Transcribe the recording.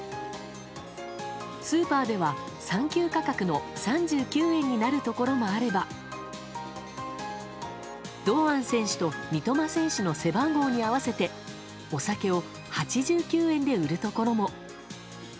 スーパーでは、サンキュー価格の３９円になるところもあれば堂安選手と三笘選手の背番号に合わせてお酒を８９円で売るところも。